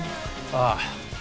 ああ。